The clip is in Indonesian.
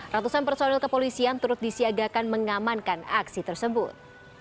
ratusan personil kepolisian turut disiagakan mengamankan aksi tersebut